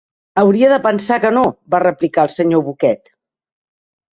"Hauria de pensar que no", va replicar el senyor Bucket.